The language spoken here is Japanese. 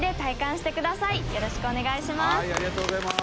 よろしくお願いします。